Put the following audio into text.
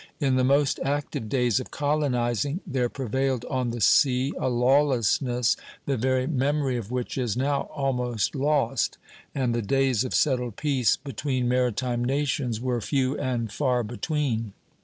In the most active days of colonizing there prevailed on the sea a lawlessness the very memory of which is now almost lost, and the days of settled peace between maritime nations were few and far between.